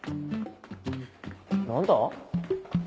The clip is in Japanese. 何だ？